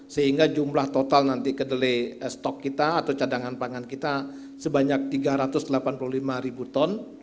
sehingga jumlah total nanti kedelai stok kita atau cadangan pangan kita sebanyak tiga ratus delapan puluh lima ribu ton